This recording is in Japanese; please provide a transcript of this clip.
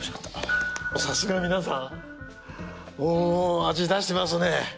さすが皆さんもう味出してますね。